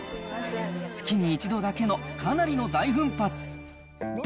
月に１度だけのかなりの大奮発。